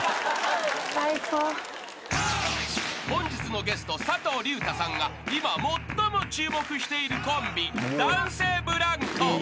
［本日のゲスト佐藤隆太さんが今最も注目しているコンビ男性ブランコ］